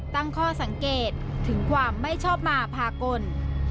ตั้งข้อสังเกตถึงความไม่ชอบมาพากล